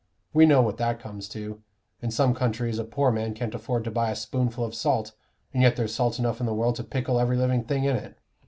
We know what that comes to: in some countries a poor man can't afford to buy a spoonful of salt, and yet there's salt enough in the world to pickle every living thing in it.